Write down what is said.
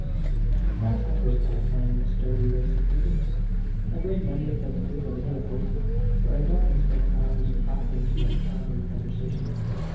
"Grasshoppers are a fine, sturdy race of people. A great many of them live on the Hill of Howth, where I have often spent hours hearkening to their charming conversation.